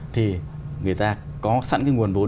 thì người ta có sẵn cái nguồn vốn